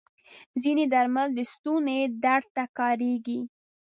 ځینې درمل د ستوني درد ته کارېږي.